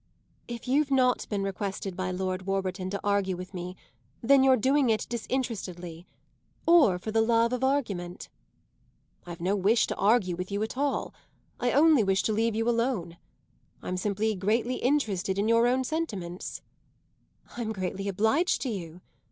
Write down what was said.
"If you've not been requested by Lord Warburton to argue with me, then you're doing it disinterestedly or for the love of argument." "I've no wish to argue with you at all. I only wish to leave you alone. I'm simply greatly interested in your own sentiments." "I'm greatly obliged to you!"